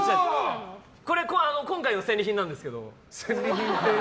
これ、今回の戦利品なんですけど。